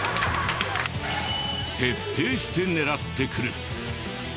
徹底して狙ってくる。